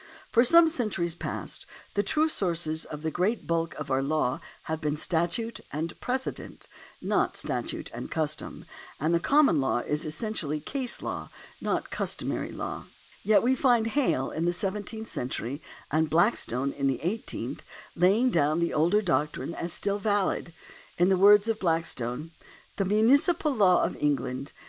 For some centuries past, the true sources of the great bulk of our law have been statute and precedent, not statute and custom, and the common law is essentially case law, not customary law. Yet we find Hale ^ in the seventeenth century, and 1 Hale's History of the Common Law, chap. ii. 143 144 CUSTOM [§ 55 Blackstone in the eighteenth, laying down the older doctrine as still valid. In the words of Blackstone :^" The munici pal law of England